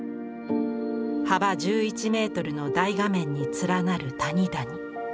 幅１１メートルの大画面に連なる谷々。